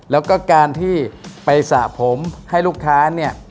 แล้วก็การที่ไปสระผมให้ลูกค้าเนี่ย